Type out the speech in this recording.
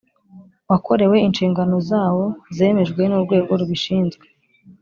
Wakorewe inshingano zawo zemejwe n’ urwego rubishinzwe